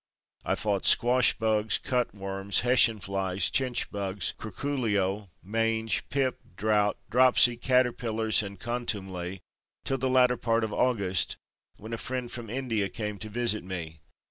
I fought squash bugs, cut worms, Hessian flies, chinch bugs, curculio, mange, pip, drought, dropsy, caterpillars and contumely till the latter part of August, when a friend from India came to visit me.